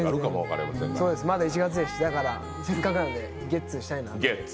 まだ１月ですしせっかくなんでゲッツしたいな。